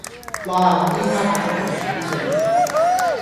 嘩 ！D 蝦餃皮好正